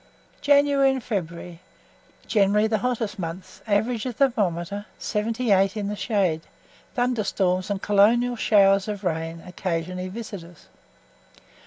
JANUARY AND FEBRUARY. Generally the hottest months; average of the thermometer, 78 in the shade; thunder storms and COLONIAL showers of rain occasionally visit us.